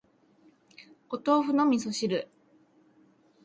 お豆腐の味噌汁